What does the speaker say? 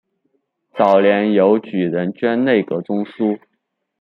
早年由举人捐内阁中书。